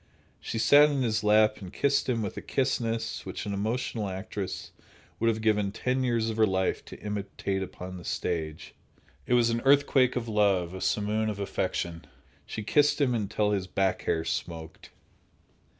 She sat in his lap and kissed him with a kissness which an emotional actress would have given ten years of her life to imitate upon the stage. It was an earthquake of love, a simoon of affection. She kissed him until his back hair smoked.